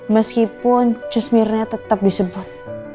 meskipun sus mirna tetap disebut